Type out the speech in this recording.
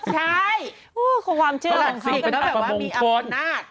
ใช่ความเชื่อของเค้าก็มีแบบว่ามงคล